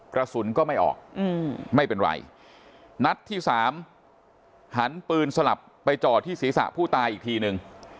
กระสุนก็ไม่ออกไม่เป็นไรนัดที่สามหันปืนสลับไปจอดที่ศีรษะผู้ตายอีกทีนึง